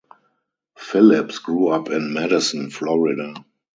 Phillips grew up in Madison, Florida.